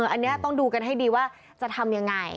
อันนี้ต้องดูกันให้ดีว่าจะทำยังไง